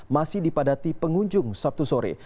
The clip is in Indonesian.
masih dipadati pengunjung sabtu sore